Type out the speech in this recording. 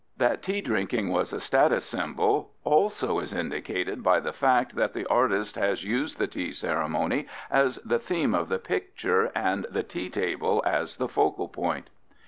That tea drinking was a status symbol also is indicated by the fact that the artist has used the tea ceremony as the theme of the picture and the tea table as the focal point.